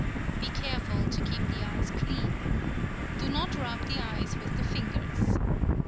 Be careful to keep the eyes clean. Do not rub the eyes with the fingers.